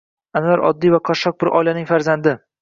Anvar oddiy va qashshoq bir oilaning farzandi.